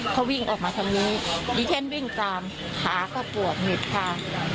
เค้าวิ่งออกมาทางนี้ดิฉันวิ่งจามชี้กระต๊อกหปวดหงษา